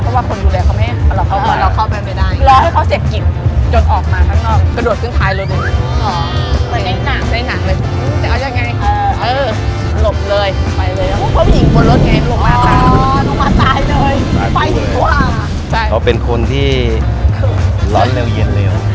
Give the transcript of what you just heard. กว่ามันคนของกันชิงไขมันไม่ยอด